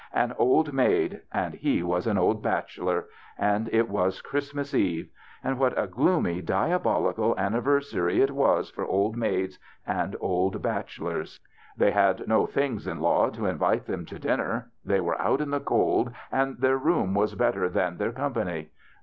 An old maid. And he^was an old bachelor. And it was Christ mas eve. And what a gloomy, diabolical an niversary it w\^s for old maids and old bach elors. They had no things in law to invite them to dinner. They were out in the cold and their room was better than their com pany.